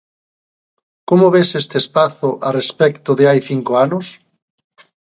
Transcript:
Como ves este espazo a respecto de hai cinco anos?